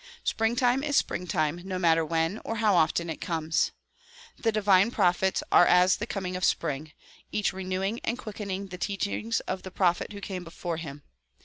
Springtime is springtime no matter when or how often it comes. The divine prophets are as the coming of spring, each renewing and quickening DISCOURSES DELIVERED IN NEW YORK 123 the teachings of the prophet who came before him.